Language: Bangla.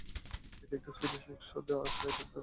এটি একটি সুইডিশ নকশা, যা আসিয়া-এটিম দ্বারা তৈরি করা হয়েছে।